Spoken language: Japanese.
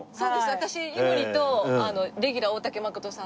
私井森とレギュラー大竹まことさん